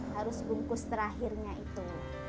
harus bungkus terakhirnya itu